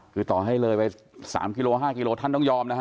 คือต่อให้เลยไป๓กิโล๕กิโลท่านต้องยอมนะฮะ